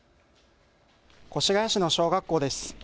越谷市の小学校です。